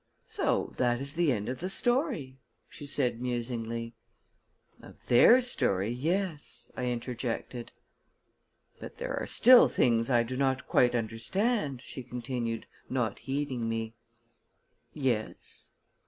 "So that is the end of the story," she said musingly. "Of their story, yes," I interjected. "But there are still certain things I do not quite understand," she continued, not heeding me. "Yes?"